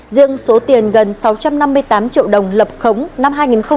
riêng số tiền gần sáu trăm năm mươi tám triệu đồng lập khống năm hai nghìn một mươi